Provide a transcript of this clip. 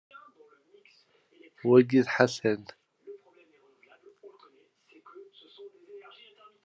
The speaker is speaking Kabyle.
Wagi d Ḥasan?